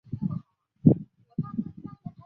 亚维力格是亚尔诺的登丹人的儿子及继承人。